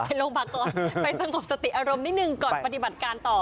โรงพยาบาลก่อนไปสงบสติอารมณ์นิดนึงก่อนปฏิบัติการต่อ